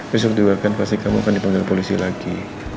besok juga kan pasti kamu akan dipanggil polisi lagi